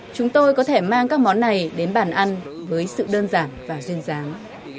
chúng tôi có thể mang các món này đến bàn ăn với sự đơn giản và duyên dáng